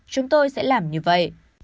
chúng tôi sẽ làm như vậy